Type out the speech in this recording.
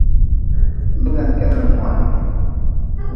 Bigan kenah moan.